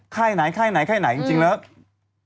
ค่ายไหนค่ายไหนค่ายไหนจริงแล้ว